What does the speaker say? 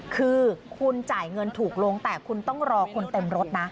คือคุณจ่ายเงินถูกลงแต่คุณต้องรอคนเต็มรถนะ